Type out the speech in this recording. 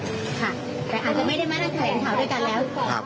แต่อาจจะไม่ได้มานั่งแถลงข่าวด้วยกันแล้ว